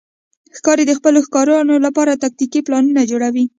ښکاري د خپلو ښکارونو لپاره تاکتیکي پلانونه جوړوي.